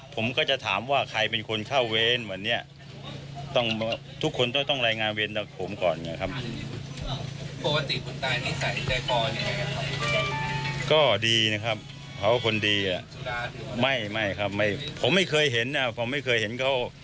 ผมไม่เคยเห็นนะครับผมไม่เคยเห็นเขา